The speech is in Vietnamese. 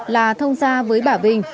là thông gia với bà vinh